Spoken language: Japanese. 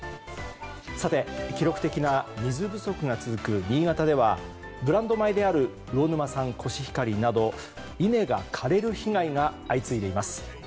さて記録的な水不足が続く新潟ではブランド米である魚沼産コシヒカリなど稲が枯れる被害が相次いでいます。